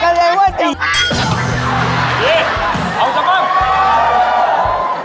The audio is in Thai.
เอาสิมั้ว